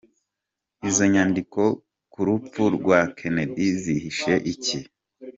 Izo nyandiko ku rupfu rwa Kennedy zihishe iki?.